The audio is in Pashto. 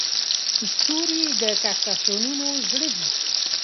ستوري د کهکشانونو زړه دي.